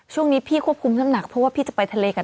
ช่วงนี้พี่ควบคุมน้ำหนักเพราะว่าพี่จะไปทะเลกัน